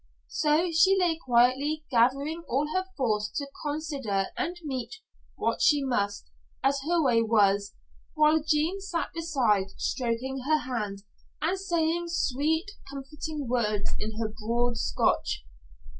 So she lay quietly, gathering all her force to consider and meet what she must, as her way was, while Jean sat beside, stroking her hand and saying sweet, comforting words in her broad Scotch.